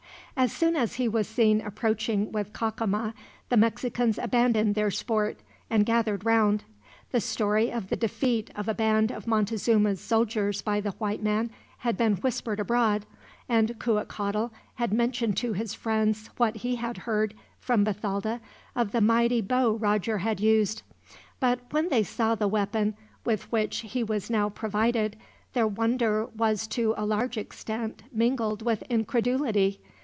As soon as he was seen approaching with Cacama, the Mexicans abandoned their sport, and gathered round. The story of the defeat of a band of Montezuma's soldiers by the white man had been whispered abroad, and Cuitcatl had mentioned to his friends what he had heard, from Bathalda, of the mighty bow Roger had used; but when they saw the weapon with which he was now provided, their wonder was to a large extent mingled with incredulity.